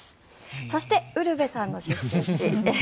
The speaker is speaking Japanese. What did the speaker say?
そしてウルヴェさんの出身地。